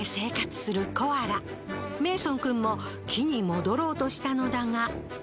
メイソン君も木に戻ろうとしたのだが。